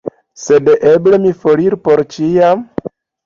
Sed eble mi foriru — por ĉiam?